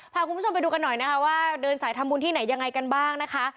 พาคุณผู้ชมไปดูกันหน่อยนะคะว่าเดินสายทำบุญที่ไหนยังไงกันบ้างนะคะ